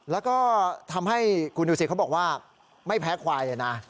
แล้วก็ทำให้คุณดูสิเขาบอกว่าไม่แพ้ควายเลยนะ